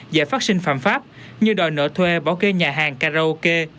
dễ phát sinh phạm pháp như đòi nợ thuê bảo kê nhà hàng karaoke